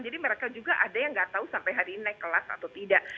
jadi mereka juga ada yang tidak tahu sampai hari ini naik kelas atau tidak